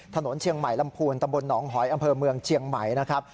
ถนนเชียงใหม่ลำพูนตำบลหนองหอยอำเภอเมืองเชียงใหม่นะครับ